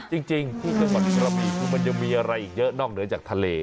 จริงพูดก่อนกระบี่คือมันจะมีอะไรอีกเยอะนอกเหนือจากทะเล